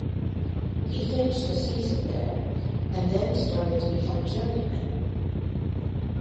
He finished the season there, and then started to become a journeyman.